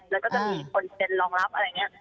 แล้วก็จะมีคนเซ็นรองรับอะไรอย่างนี้